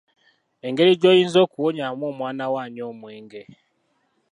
Engeri gy’oyinza okuwonyaamu omwana wo anywa omwenge